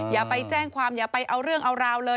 อย่าไปแจ้งความอย่าไปเอาเรื่องเอาราวเลย